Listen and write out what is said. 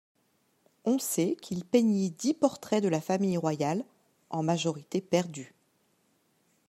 On sait qu'il peignit dix portraits de la famille royale, en majorité perdus.